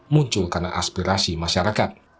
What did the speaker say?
muncul karena aspirasi masyarakat